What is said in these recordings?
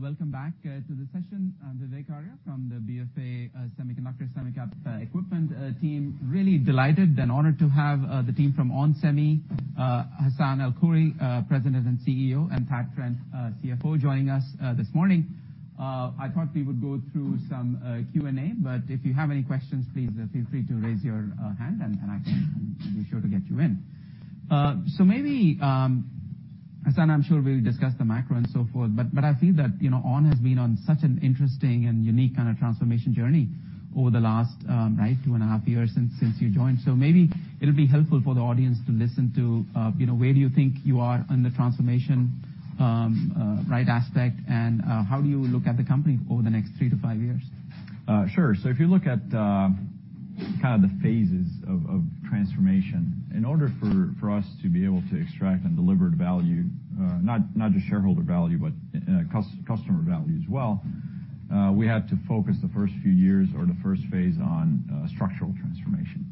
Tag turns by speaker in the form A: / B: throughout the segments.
A: Good morning. Welcome back to the session. I'm Vivek Arya from the BofA Semiconductor Semi-Cap Equipment team. Really delighted and honored to have the team from onsemi, Hassane El-Khoury, President and CEO, and Thad Trent, CFO, joining us this morning. I thought we would go through some Q&A, but if you have any questions, please feel free to raise your hand, and I'll be sure to get you in. So maybe, Hassane, I'm sure we'll discuss the macro and so forth, but I see that, you know, onsemi has been on such an interesting and unique kind of transformation journey over the last, right, 2.5 years since you joined. Maybe it'll be helpful for the audience to listen to, you know, where do you think you are on the transformation, right aspect, and how do you look at the company over the next three to five years?
B: Sure. If you look at kind of the phases of transformation, in order for us to be able to extract and deliver value, not just shareholder value, but customer value as well, we had to focus the first few years or the first phase on structural transformation.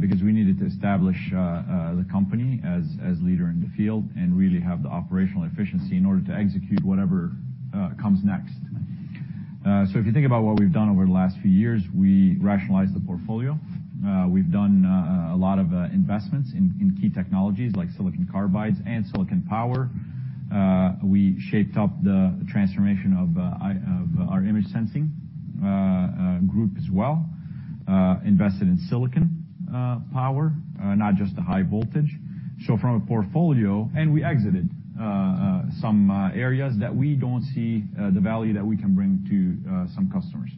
B: Because we needed to establish the company as leader in the field and really have the operational efficiency in order to execute whatever comes next. If you think about what we've done over the last few years, we rationalized the portfolio. We've done a lot of investments in key technologies like silicon carbides and silicon power. We shaped up the transformation of our image sensing group as well, invested in silicon power, not just the high voltage. So from a portfolio, we exited some areas that we don't see the value that we can bring to some customers.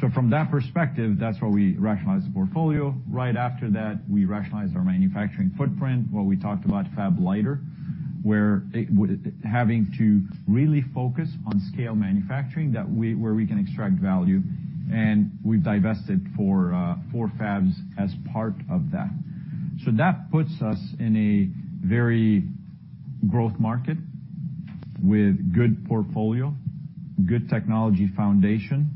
B: So from that perspective, that's where we rationalized the portfolio. Right after that, we rationalized our manufacturing footprint, where we talked about Fab-Liter, having to really focus on scale manufacturing where we can extract value, and we've divested four fabs as part of that. So that puts us in a very growth market with good portfolio, good technology foundation,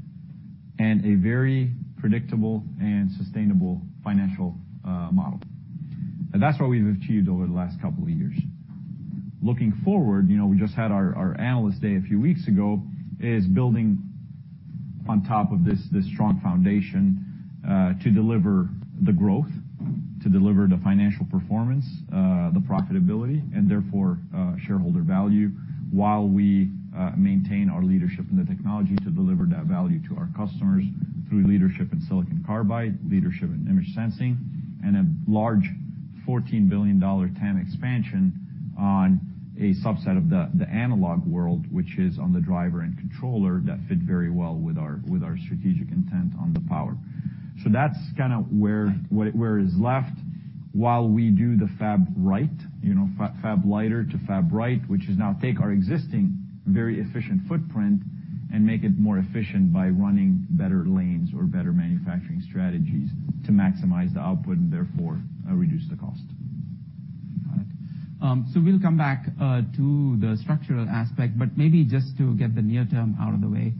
B: and a very predictable and sustainable financial model. And that's what we've achieved over the last couple of years. Looking forward, you know, we just had our Analyst Day a few weeks ago, is building on top of this strong foundation to deliver the growth, to deliver the financial performance, the profitability, and therefore, shareholder value, while we maintain our leadership in the technology to deliver that value to our customers through leadership in silicon carbide, leadership in image sensing, and a large $14 billion TAM expansion on a subset of the analog world, which is on the driver and controller, that fit very well with our strategic intent on the power. That's kind of where is left while we do the Fab Right. You know, Fab-Liter to Fab Right, which is now take our existing very efficient footprint and make it more efficient by running better lanes or better manufacturing strategies to maximize the output and therefore, reduce the cost.
A: Got it. We'll come back to the structural aspect, but maybe just to get the near term out of the way.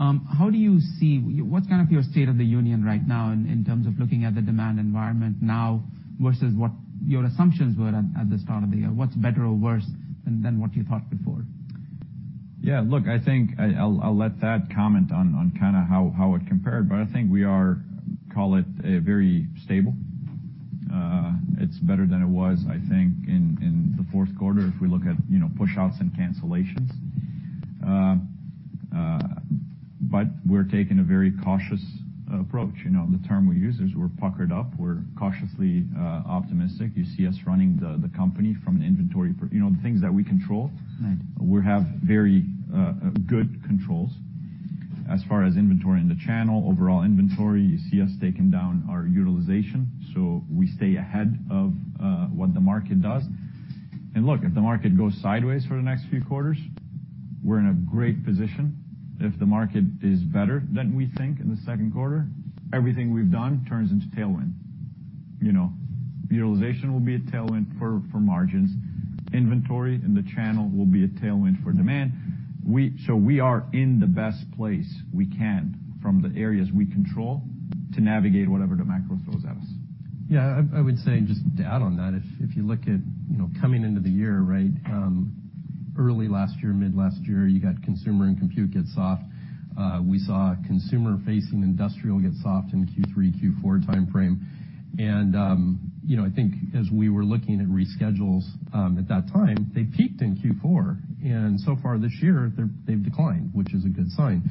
A: What's kind of your state of the union right now in terms of looking at the demand environment now versus what your assumptions were at the start of the year? What's better or worse than what you thought before?
B: Yeah, look, I think I'll let Thad comment on kind of how it compared. I think we are, call it, very stable. It's better than it was, I think, in the fourth quarter, if we look at, you know, push-outs and cancellations. We're taking a very cautious approach. You know, the term we use is we're puckered up. We're cautiously optimistic. You see us running the company from an inventory, you know, the things Thad we control.
A: Right.
B: We have very good controls as far as inventory in the channel, overall inventory. You see us taking down our utilization, so we stay ahead of what the market does. Look, if the market goes sideways for the next few quarters, we're in a great position. If the market is better than we think in the second quarter, everything we've done turns into tailwind. You know, utilization will be a tailwind for margins. Inventory in the channel will be a tailwind for demand. We are in the best place we can from the areas we control to navigate whatever the macro throws at us.
C: Yeah, I would say, just to add on that, if you look at, you know, coming into the year, right, early last year, mid last year, you got consumer and compute get soft. We saw consumer-facing industrial get soft in Q3, Q4 timeframe. You know, I think as we were looking at reschedules, at that time, they peaked in Q4, and so far this year, they've declined, which is a good sign.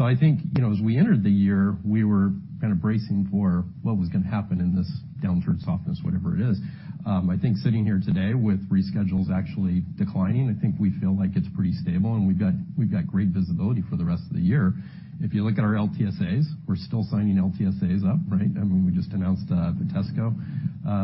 C: I think, you know, as we entered the year, we were kind of bracing for what was gonna happen in this downturn, softness, whatever it is. I think sitting here today with reschedules actually declining, I think we feel like it's pretty stable, and we've got great visibility for the rest of the year. If you look at our LTSAs, we're still signing LTSAs up, right? I mean, we just announced the Vitesco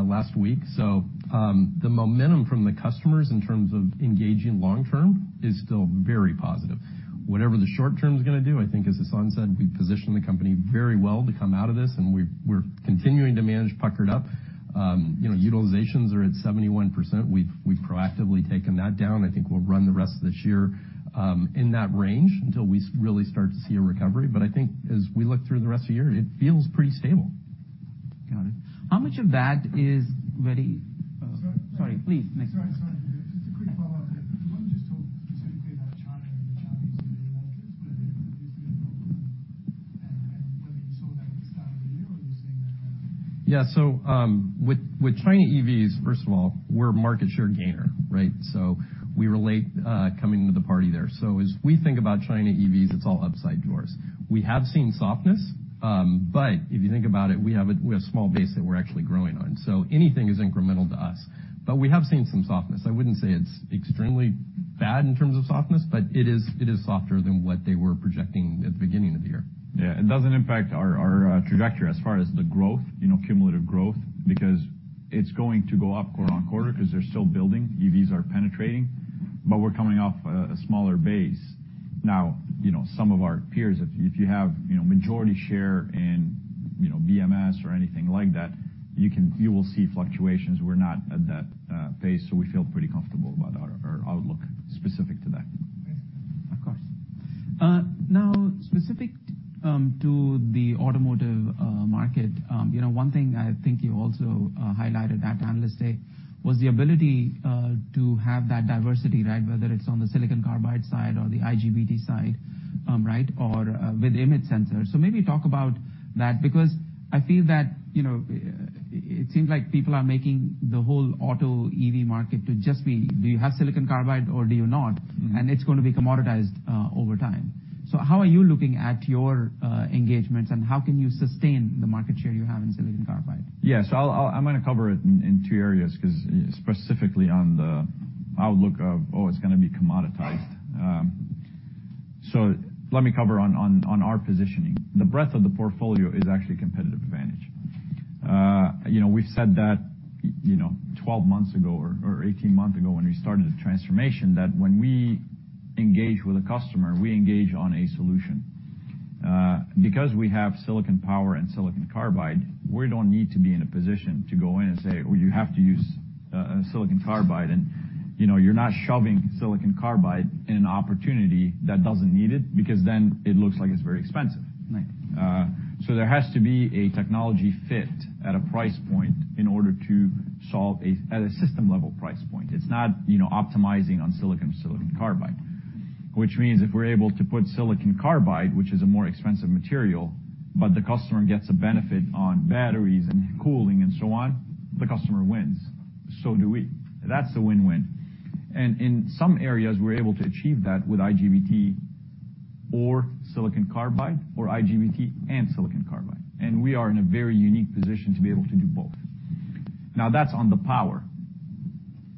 C: last week. The momentum from the customers in terms of engaging long term is still very positive. Whatever the short term is gonna do, I think as Hassane said, we've positioned the company very well to come out of this, and we're continuing to manage puckered up. you know, utilizations are at 71%. We've proactively taken that down. I think we'll run the rest of this year in that range until we really start to see a recovery. I think as we look through the rest of the year, it feels pretty stable.
A: Got it. How much of that is very,
B: Sorry.
A: Sorry, please, Nick.
D: Sorry. Just a quick follow-up there. You want to just talk specifically about China and the Chinese EV market, where they're increasing growth, and whether you saw that at the start of the year, or are you saying that?
C: Yeah, with China EVs, first of all, we're a market share gainer, right? We were late coming to the party there. As we think about China EVs, it's all upside to ours. We have seen softness, but if you think about it, we have a small base that we're actually growing on. Anything is incremental to us. We have seen some softness. I wouldn't say it's extremely bad in terms of softness, but it is softer than what they were projecting at the beginning of the year.
B: Yeah, it doesn't impact our trajectory as far as the growth, you know, cumulative growth, because it's going to go up quarter-on-quarter because they're still building, EVs are penetrating, but we're coming off a smaller base. Now, you know, some of our peers, if you have, you know, majority share in, you know, BMS or anything like that, you will see fluctuations. We're not at that base, so we feel pretty comfortable about our outlook specific to that.
C: Thanks.
A: Of course. Now, specific to the automotive market, you know, one thing I think you also highlighted at Analyst Day was the ability to have that diversity, right? Whether it's on the silicon carbide side or the IGBT side, right, or with image sensors. Maybe talk about that, because I feel that, you know, it seems like people are making the whole auto EV market to just be, do you have silicon carbide or do you not?
B: Mm-hmm.
A: It's going to be commoditized, over time. How are you looking at your engagements, and how can you sustain the market share you have in silicon carbide?
B: Yes, I'm gonna cover it in two areas, because specifically on the outlook of, it's gonna be commoditized. Let me cover on our positioning. The breadth of the portfolio is actually a competitive advantage. You know, we've said that, you know, 12 months ago or 18 months ago when we started the transformation, that when we engage with a customer, we engage on a solution. Because we have silicon power and silicon carbide, we don't need to be in a position to go in and say, "Well, you have to use silicon carbide." You know, you're not shoving silicon carbide in an opportunity that doesn't need it, because then it looks like it's very expensive.
A: Right.
B: There has to be a technology fit at a price point in order to solve at a system-level price point. It's not, you know, optimizing on silicon carbide. Which means if we're able to put silicon carbide, which is a more expensive material, but the customer gets a benefit on batteries and cooling and so on, the customer wins, so do we. That's a win-win. In some areas, we're able to achieve that with IGBT or silicon carbide, or IGBT and silicon carbide, and we are in a very unique position to be able to do both. That's on the power.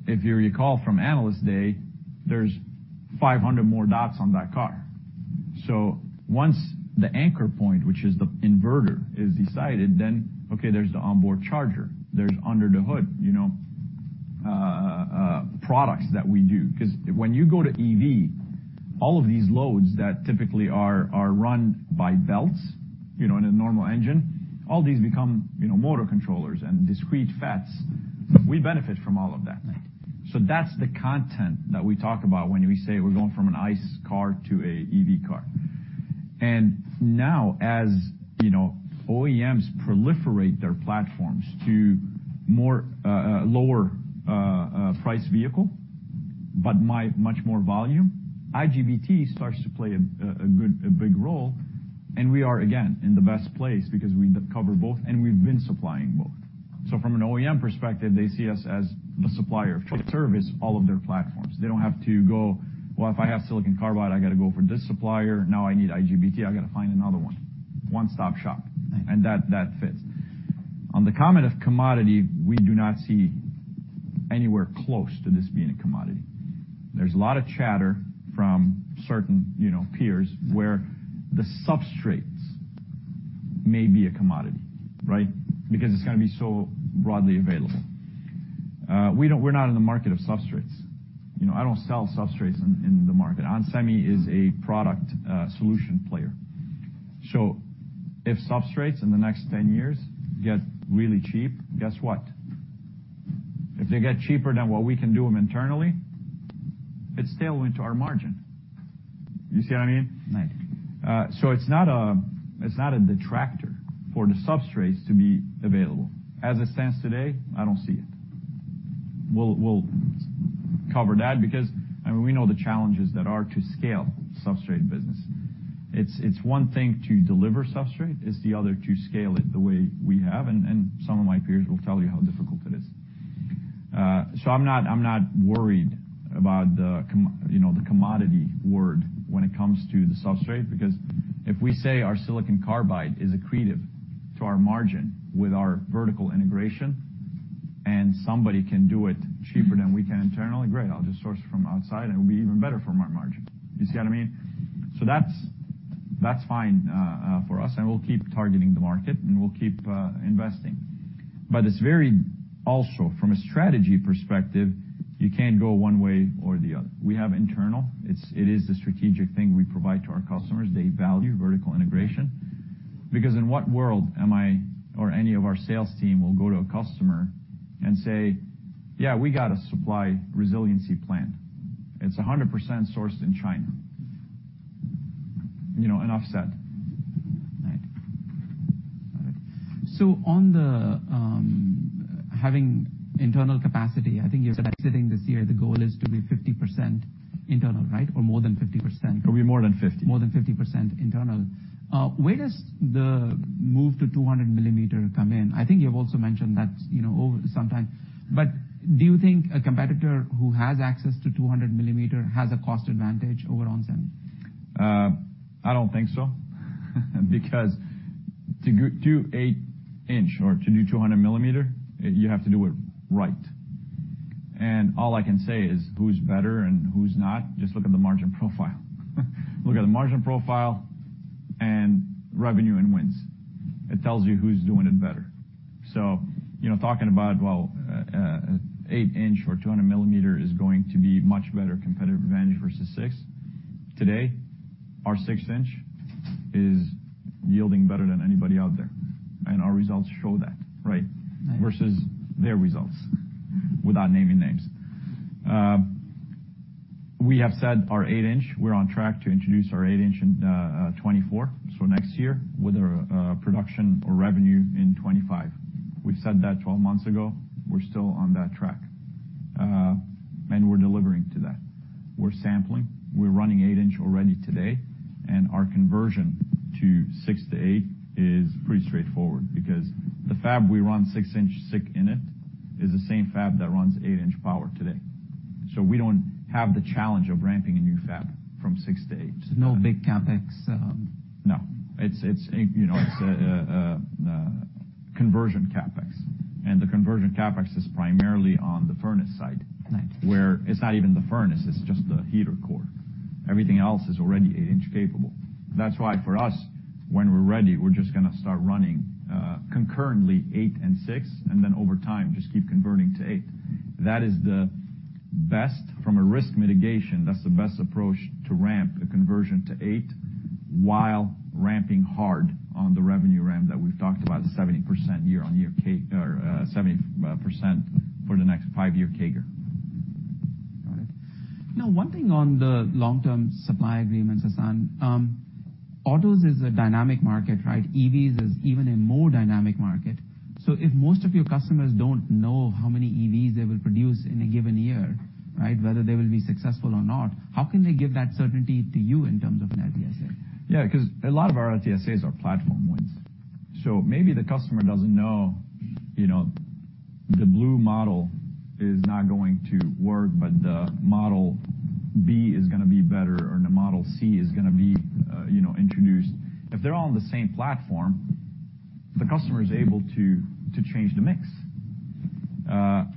B: If you recall from Analyst Day, there's 500 more dots on that car. Once the anchor point, which is the inverter, is decided, then, okay, there's the onboard charger, there's under-the-hood, you know, products that we do. Because when you go to EV, all of these loads that typically are run by belts, you know, in a normal engine, all these become, you know, motor controllers and discrete FETs. We benefit from all of that.
A: Right.
B: That's the content that we talk about when we say we're going from an ICE car to a EV car. Now, as, you know, OEMs proliferate their platforms to more lower price vehicle, but much more volume, IGBT starts to play a big role, and we are, again, in the best place because we cover both, and we've been supplying both. From an OEM perspective, they see us as the supplier of choice to service all of their platforms. They don't have to go, "Well, if I have silicon carbide, I got to go for this supplier. Now, I need IGBT, I got to find another one." One-stop shop.
A: Right.
B: That fits. On the comment of commodity, we do not see anywhere close to this being a commodity. There's a lot of chatter from certain, you know, peers, where the substrates may be a commodity, right? Because it's gonna be so broadly available. We're not in the market of substrates. You know, I don't sell substrates in the market. Onsemi is a product solution player. If substrates in the next 10 years get really cheap, guess what? If they get cheaper than what we can do them internally, it still went to our margin. You see what I mean?
A: Right.
B: It's not a detractor for the substrates to be available. As it stands today, I don't see it. We'll cover that because, I mean, we know the challenges that are to scale substrate business. It's one thing to deliver substrate, it's the other to scale it the way we have, and some of my peers will tell you how difficult it is. I'm not worried about the you know, the commodity word when it comes to the substrate because if we say our silicon carbide is accretive to our margin with our vertical integration, and somebody can do it cheaper than we can internally, great, I'll just source it from outside, and it'll be even better for my margin. You see what I mean? That's fine for us, and we'll keep targeting the market, and we'll keep investing. Also, from a strategy perspective, you can't go one way or the other. We have internal. It is the strategic thing we provide to our customers. They value vertical integration. In what world am I or any of our sales team will go to a customer and say, "Yeah, we got a supply resiliency plan. It's a 100% sourced in China.... you know, an offset.
A: Right. Got it. On the, having internal capacity, I think you said that sitting this year, the goal is to be 50% internal, right? More than 50%.
B: It'll be more than 50.
A: More than 50% internal. Where does the move to 200mm come in? I think you've also mentioned that, you know, over some time. Do you think a competitor who has access to 200mm has a cost advantage over Onsemi?
B: I don't think so, because to go do 8-inch or to do 200mm, you have to do it right. All I can say is, who's better and who's not? Just look at the margin profile. Look at the margin profile and revenue and wins. It tells you who's doing it better. You know, talking about, well, 8-inch or 200mm is going to be much better competitive advantage versus 6-inch. Today, our 6-inch is yielding better than anybody out there, and our results show that, right?
A: Right.
B: Versus their results, without naming names. We have said our 8-inch, we're on track to introduce our 8-inch in 2024, so next year, with a production or revenue in 2025. We said that 12 months ago, we're still on that track, and we're delivering to that. We're sampling, we're running 8-inch already today, and our conversion to six to eight is pretty straightforward, because the fab we run 6-inch SiC in it, is the same fab that runs 8-inch power today. We don't have the challenge of ramping a new fab from six to eight.
A: No big CapEx.
B: No, it's, you know, it's a conversion CapEx. The conversion CapEx is primarily on the furnace side.
A: Right.
B: Where it's not even the furnace, it's just the heater core. Everything else is already 8-inch capable. That's why, for us, when we're ready, we're just gonna start running concurrently, 8-inch and 6-inch, and then over time, just keep converting to 8-inch. That is the best from a risk mitigation, that's the best approach to ramp a conversion to 8-inch, while ramping hard on the revenue ramp that we've talked about, the 70% year-on-year CAGR, or, 70% for the next five-year CAGR.
A: Got it. One thing on the long-term supply agreements, Hassane, autos is a dynamic market, right? EVs is even a more dynamic market. If most of your customers don't know how many EVs they will produce in a given year, right? Whether they will be successful or not, how can they give that certainty to you in terms of an LTSA?
B: Yeah, a lot of our LTSAs are platform wins. Maybe the customer doesn't know, you know, the blue model is not going to work, but the model B is gonna be better, or the model C is gonna be, you know, introduced. If they're all on the same platform, the customer is able to change the mix.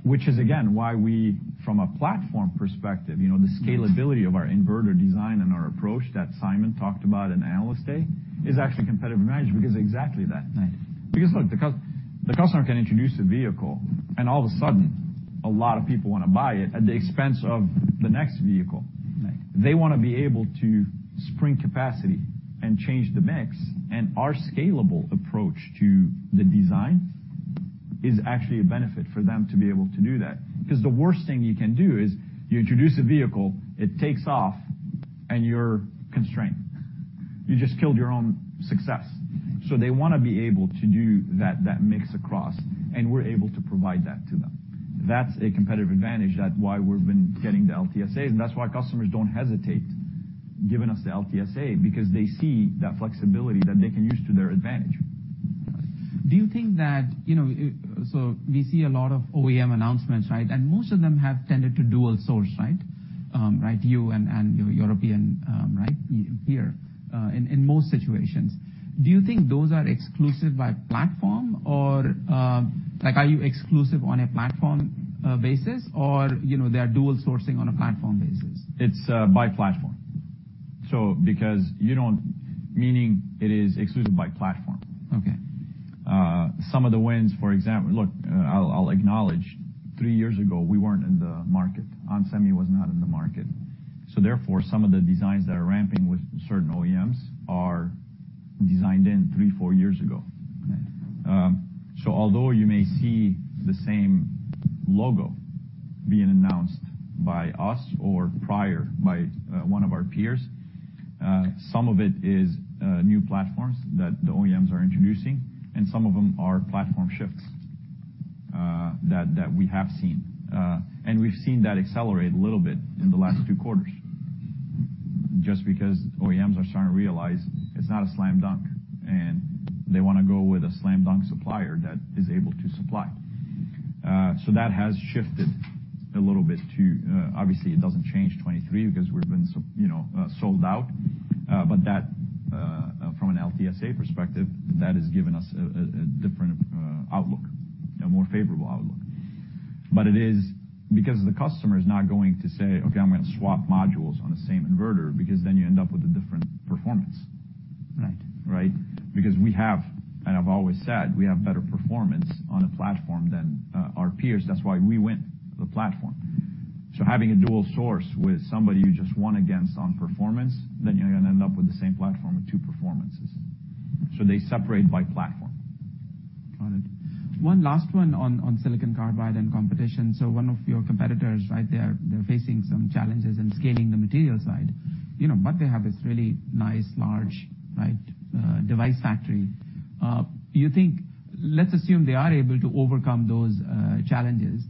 B: Which is again, why we from a platform perspective, you know, the scalability of our inverter design and our approach that Simon talked about in Analyst Day, is actually competitive advantage, because exactly that.
A: Right.
B: Look, the customer can introduce a vehicle, and all of a sudden, a lot of people wanna buy it at the expense of the next vehicle.
A: Right.
B: They wanna be able to spring capacity and change the mix. Our scalable approach to the design is actually a benefit for them to be able to do that. The worst thing you can do is, you introduce a vehicle, it takes off and you're constrained. You just killed your own success. They wanna be able to do that mix across, and we're able to provide that to them. That's a competitive advantage. That's why we've been getting the LTSA. That's why customers don't hesitate giving us the LTSA, because they see that flexibility that they can use to their advantage.
A: Do you think that, you know, we see a lot of OEM announcements, right? Most of them have tended to dual source, right? Right, you and your European, right, peer in most situations. Do you think those are exclusive by platform? Or, like, are you exclusive on a platform basis, or, you know, they are dual sourcing on a platform basis?
B: It's by platform. Meaning, it is exclusive by platform.
A: Okay.
B: Some of the wins, for example... Look, I'll acknowledge, three years ago, we weren't in the market. onsemi was not in the market. Therefore, some of the designs that are ramping with certain OEMs are designed in three, four years ago.
A: Right.
B: Although you may see the same logo being announced by us or prior by one of our peers, some of it is new platforms that the OEMs are introducing, and some of them are platform shifts that we have seen. We've seen that accelerate a little bit in the last two quarters. Just because OEMs are starting to realize it's not a slam dunk, and they wanna go with a slam dunk supplier that is able to supply. That has shifted a little bit. Obviously, it doesn't change 2023 because we've been, you know, sold out. That from an LTSA perspective, that has given us a different outlook, a more favorable outlook. It is because the customer is not going to say: Okay, I'm going to swap modules on the same inverter, because then you end up with a different performance.
A: Right.
B: Right? Because we have, and I've always said, we have better performance on a platform than our peers. That's why we win the platform. Having a dual source with somebody you just won against on performance, then you're gonna end up with the same platform with two performances. They separate by platform.
A: Got it. One last one on silicon carbide and competition. One of your competitors, right, they're facing some challenges in scaling the material side, you know, but they have this really nice, large, right, device factory. You think, let's assume they are able to overcome those challenges,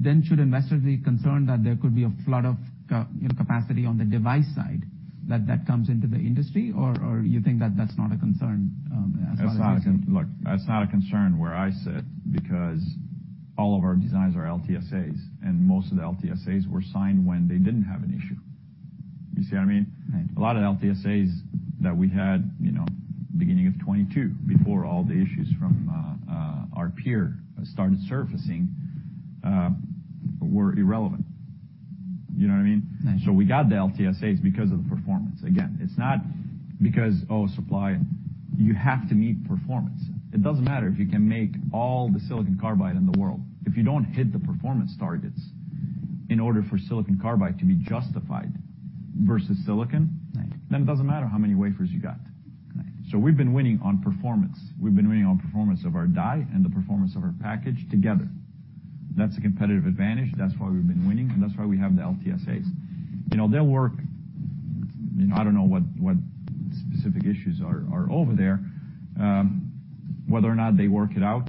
A: then should investors be concerned that there could be a flood of you know, capacity on the device side, that that comes into the industry? Or you think that that's not a concern as far as you're concerned?
B: Look, that's not a concern where I sit, because all of our designs are LTSAs, and most of the LTSAs were signed when they didn't have an issue. You see what I mean?
A: Right.
B: A lot of LTSAs that we had, you know, beginning of 2022, before all the issues from our peer started surfacing, were irrelevant. You know what I mean?
A: Right.
B: We got the LTSAs because of the performance. Again, it's not because, oh, supply. You have to meet performance. It doesn't matter if you can make all the silicon carbide in the world, if you don't hit the performance targets in order for silicon carbide to be justified versus silicon-
A: Right.
B: It doesn't matter how many wafers you got.
A: Right.
B: We've been winning on performance. We've been winning on performance of our die and the performance of our package together. That's a competitive advantage. That's why we've been winning, and that's why we have the LTSAs. You know, I don't know what specific issues are over there. Whether or not they work it out,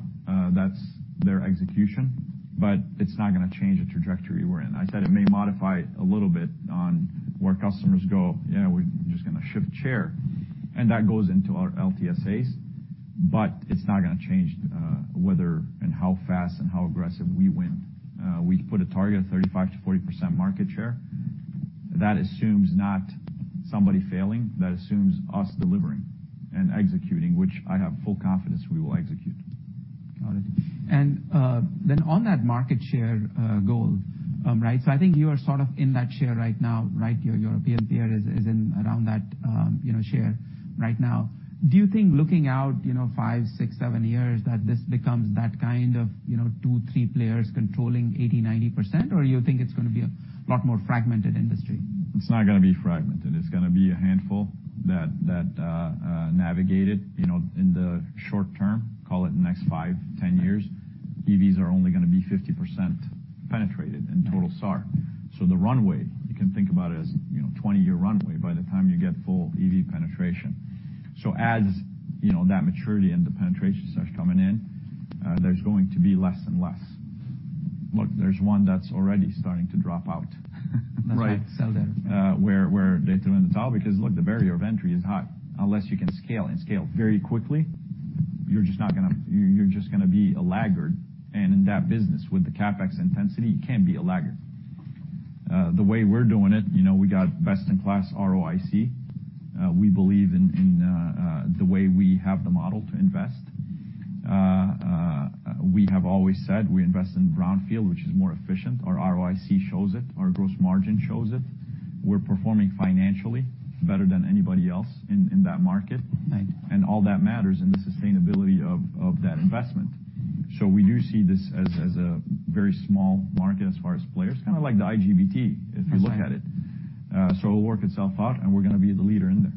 B: that's their execution, but it's not gonna change the trajectory we're in. I said it may modify it a little bit on where customers go, "Yeah, we're just gonna shift share." That goes into our LTSAs, but it's not gonna change whether and how fast and how aggressive we win. We put a target of 35%-40% market share. That assumes not somebody failing, that assumes us delivering and executing, which I have full confidence we will execute.
A: Got it. Then on that market share goal, right, I think you are sort of in that share right now, right? Your European Tier one is in, around that, you know, share right now. Do you think looking out, you know, five, six, seven years, that this becomes that kind of, you know, two, three players controlling 80%, 90%, or you think it's going to be a lot more fragmented industry?
B: It's not gonna be fragmented. It's gonna be a handful that navigate it. You know, in the short term, call it the next five, 10 years.
A: Right.
B: EVs are only gonna be 50% penetrated.
A: Right.
B: -in total SAR. The runway, you can think about it as, you know, 20-year runway by the time you get full EV penetration. As, you know, that maturity and the penetration starts coming in, there's going to be less and less. Look, there's one that's already starting to drop out.
A: Right. Sell down.
B: Where they're doing it all, because, look, the barrier of entry is high. Unless you can scale and scale very quickly, you're just not gonna be a laggard. In that business, with the CapEx intensity, you can't be a laggard. The way we're doing it, you know, we got best-in-class ROIC. We believe in the way we have the model to invest. We have always said we invest in brownfield, which is more efficient. Our ROIC shows it, our gross margin shows it. We're performing financially better than anybody else in that market.
A: Right.
B: All that matters in the sustainability of that investment. We do see this as a very small market as far as players. Kind of like the IGBT, if you look at it.
A: Right.
B: It'll work itself out, and we're gonna be the leader in there.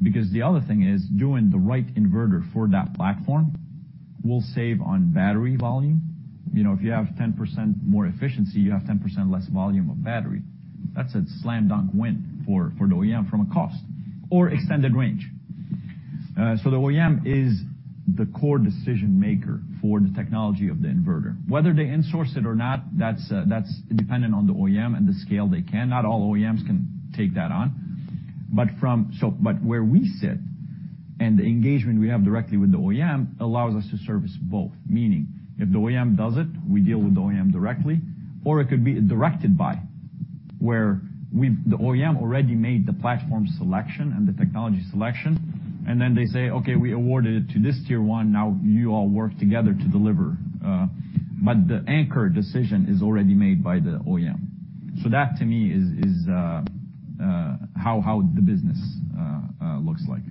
B: The other thing is, doing the right inverter for that platform will save on battery volume. You know, if you have 10% more efficiency, you have 10% less volume of battery. That's a slam dunk win for the OEM from a cost or extended range. The OEM is the core decision maker for the technology of the inverter. Whether they in-source it or not, that's dependent on the OEM and the scale they can. Not all OEMs can take that on. Where we sit, and the engagement we have directly with the OEM, allows us to service both, meaning if the OEM does it, we deal with the OEM directly, or it could be directed by, the OEM already made the platform selection and the technology selection, and then they say: "Okay, we awarded it to this Tier one, now you all work together to deliver." The anchor decision is already made by the OEM. That, to me, is how the business looks like.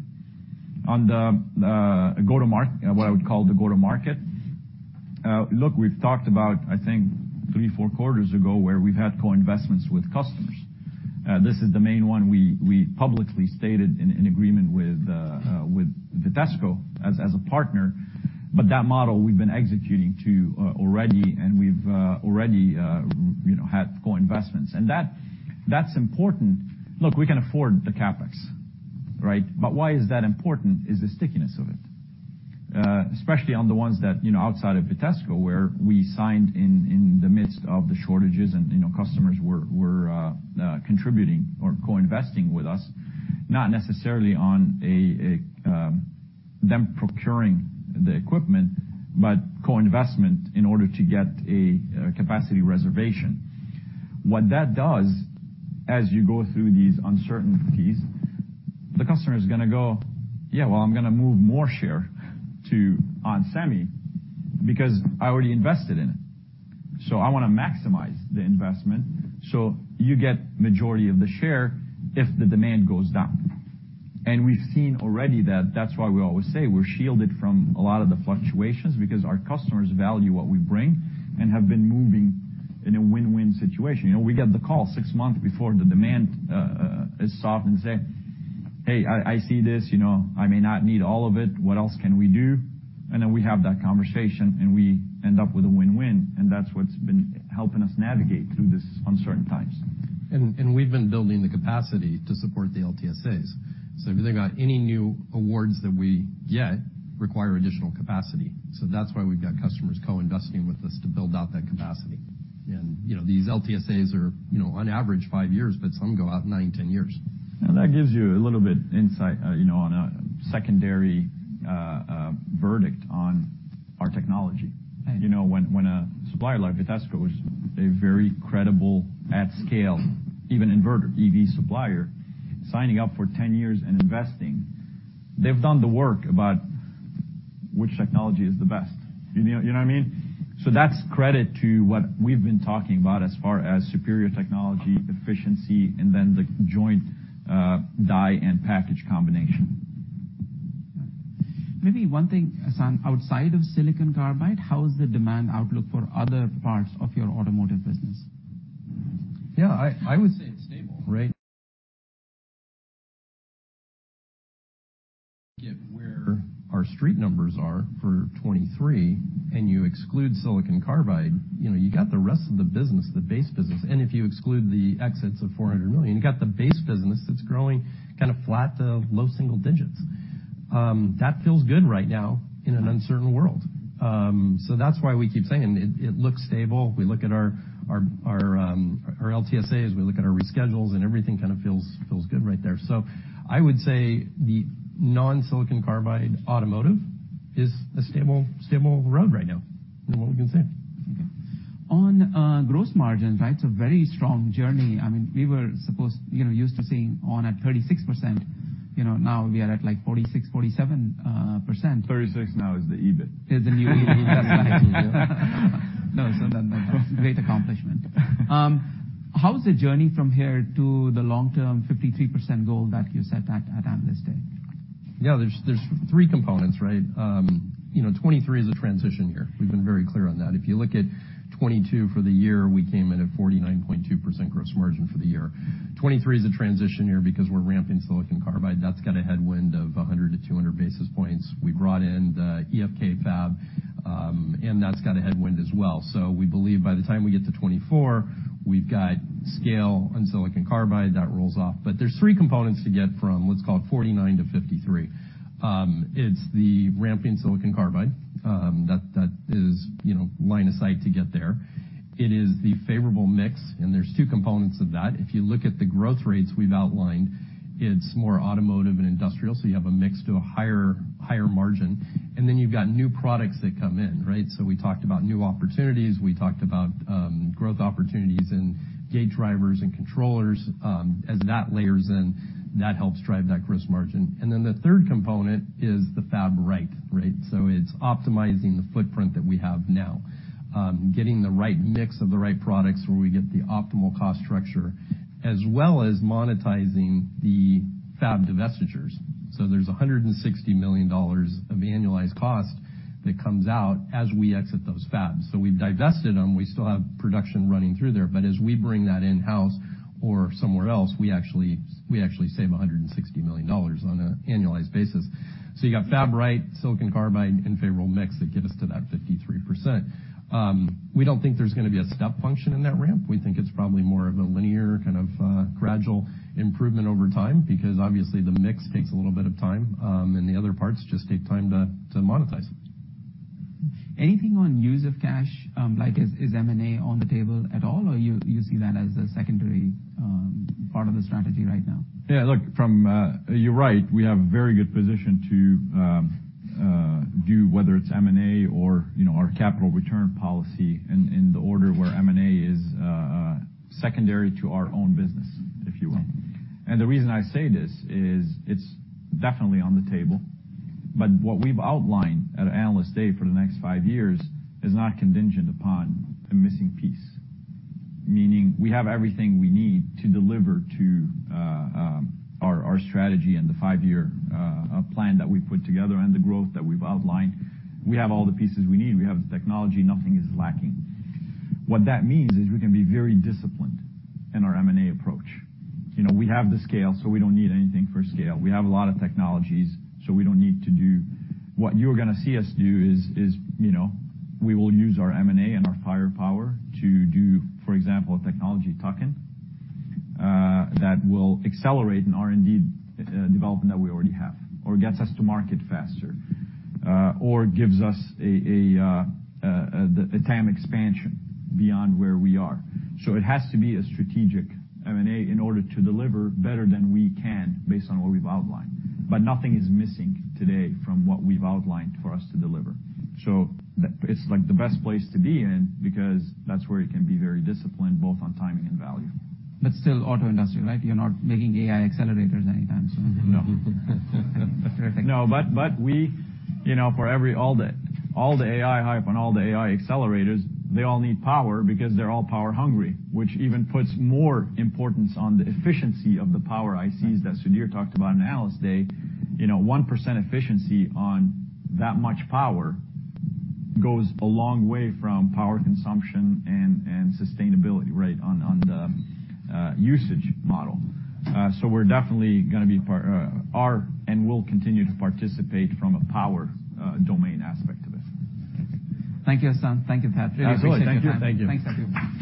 B: On the what I would call the go-to-market look, we've talked about, I think, three, four quarters ago, where we've had co-investments with customers.... This is the main one we publicly stated in agreement with Vitesco as a partner. That model, we've been executing to already, and we've already, you know, had co-investments. That's important. Look, we can afford the CapEx, right? Why is that important, is the stickiness of it. Especially on the ones that, you know, outside of Vitesco, where we signed in the midst of the shortages, and, you know, customers were contributing or co-investing with us, not necessarily on a them procuring the equipment, but co-investment in order to get a capacity reservation. What that does, as you go through these uncertainties, the customer is gonna go, "Yeah, well, I'm gonna move more share to Onsemi because I already invested in it, so I wanna maximize the investment." You get majority of the share if the demand goes down. We've seen already that that's why we always say we're shielded from a lot of the fluctuations, because our customers value what we bring and have been moving in a win-win situation. You know, we get the call six months before the demand is soft, and say, "Hey, I see this, you know. I may not need all of it. What else can we do?" We have that conversation, and we end up with a win-win, and that's what's been helping us navigate through this uncertain times.
C: We've been building the capacity to support the LTSAs. If you think about any new awards that we get require additional capacity, so that's why we've got customers co-investing with us to build out that capacity. You know, these LTSAs are, you know, on average, five years, but some go out nine, 10 years.
B: That gives you a little bit insight, you know, on a secondary, verdict on our technology.
C: Right.
B: You know, when a supplier like Vitesco, which a very credible, at scale, even inverter EV supplier, signing up for 10 years and investing, they've done the work about which technology is the best. You know what I mean? That's credit to what we've been talking about as far as superior technology, efficiency, and then the joint die and package combination.
A: Maybe one thing, Hassane, outside of silicon carbide, how is the demand outlook for other parts of your automotive business?
B: Yeah, I'd say it's stable. Right?
C: Get where our Street numbers are for 2023, and you exclude silicon carbide, you know, you got the rest of the business, the base business. If you exclude the exits of $400 million, you got the base business that's growing kind of flat to low single digits. That feels good right now in an uncertain world. That's why we keep saying it looks stable. We look at our, our LTSAs, we look at our reschedules, and everything kind of feels good right there. I would say the non-silicon carbide automotive is a stable road right now, is what we can say.
A: Okay. On gross margins, right, it's a very strong journey. I mean, we were used to seeing Onsemi at 36%. You know, now we are at, like, 46%, 47%.
B: 36 now is the EBIT.
A: Is the new EBIT? No, that's a great accomplishment. How is the journey from here to the long-term 53% goal that you set at Analyst Day?
C: Yeah, there's three components, right? you know, 2023 is a transition year. We've been very clear on that. If you look at 2022, for the year, we came in at 49.2% gross margin for the year. 2023 is a transition year because we're ramping silicon carbide. That's got a headwind of 100-200 basis points. We brought in the EFK fab, and that's got a headwind as well. We believe by the time we get to 2024, we've got scale on silicon carbide. That rolls off. There's three components to get from, what's called 49-53. It's the ramping silicon carbide, that is, you know, line of sight to get there. It is the favorable mix, and there's two components of that. If you look at the growth rates we've outlined, it's more automotive and industrial, so you have a mix to a higher margin. You've got new products that come in, right? We talked about new opportunities. We talked about growth opportunities and gate drivers and controllers. As that layers in, that helps drive that gross margin. The third component is the Fab Right, right? It's optimizing the footprint that we have now, getting the right mix of the right products where we get the optimal cost structure, as well as monetizing the fab divestitures. There's $160 million of annualized cost that comes out as we exit those fabs. We've divested them. We still have production running through there, but as we bring that in-house or somewhere else, we actually save $160 million on an annualized basis. You got Fab Right, silicon carbide, and favorable mix that get us to that 53%. We don't think there's gonna be a step function in that ramp. We think it's probably more of a linear, kind of, gradual improvement over time, because obviously, the mix takes a little bit of time, and the other parts just take time to monetize.
A: Anything on use of cash? like, is M&A on the table at all, or you see that as a secondary, part of the strategy right now?
B: Yeah, look, from. You're right, we have a very good position to do, whether it's M&A or, you know, our capital return policy in the order where M&A is secondary to our own business, if you will. The reason I say this is it's definitely on the table, but what we've outlined at Analyst Day for the next five years is not contingent upon a missing piece, meaning we have everything we need to deliver to our strategy and the five-year plan that we've put together and the growth that we've outlined. We have all the pieces we need. We have the technology. Nothing is lacking. What that means is we can be very disciplined in our M&A approach. You know, we have the scale, so we don't need anything for scale. We have a lot of technologies. What you're gonna see us do is, you know, we will use our M&A and our firepower to do, for example, a technology tuck-in that will accelerate an R&D development that we already have, or gets us to market faster, or gives us a the TAM expansion beyond where we are. It has to be a strategic M&A in order to deliver better than we can, based on what we've outlined, but nothing is missing today from what we've outlined for us to deliver. It's like the best place to be in, because that's where you can be very disciplined, both on timing and value.
A: Still auto industry, right? You're not making AI accelerators anytime soon.
B: No.
A: That's perfect.
B: We, you know, for all the AI hype and all the AI accelerators, they all need power because they're all power hungry, which even puts more importance on the efficiency of the power ICs that Sudhir talked about in Analyst Day. You know, 1% efficiency on that much power goes a long way from power consumption and sustainability, right, on the usage model. We're definitely gonna be part, are and will continue to participate from a power domain aspect to this.
A: Thank you, Hassane. Thank you, Thad.
C: Absolutely. Thank you.
B: Thank you.
A: Thanks, everyone.